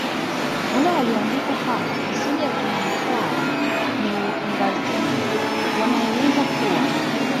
Wale waliyoandika kwamba asili ya akina mkwawa ni ungazija wanaeleza kuwa